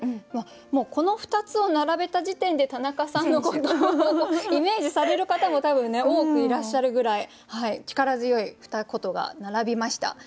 もうこの２つを並べた時点で田中さんのことをイメージされる方も多分ね多くいらっしゃるぐらい力強いふた言が並びました。